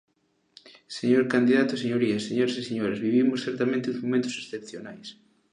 Señor candidato e señorías, señoras e señores, vivimos certamente uns momentos excepcionais.